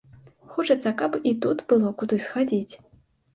Хочацца, каб і тут было куды схадзіць.